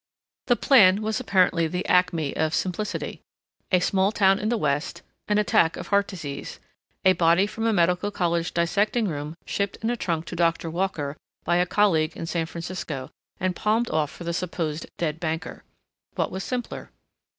The plan was apparently the acme of simplicity: a small town in the west, an attack of heart disease, a body from a medical college dissecting room shipped in a trunk to Doctor Walker by a colleague in San Francisco, and palmed off for the supposed dead banker. What was simpler?